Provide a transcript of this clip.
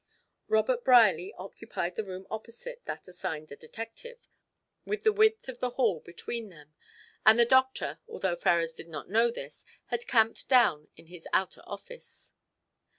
Robert Brierly occupied the room opposite that assigned the detective with the width of the hall between them, and the doctor, although Ferrars did not know this, had camped down in his outer office.